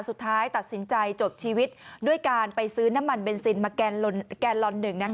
สุดท้ายตัดสินใจจบชีวิตด้วยการไปซื้อน้ำมันเบนซินมาแกนลอนหนึ่ง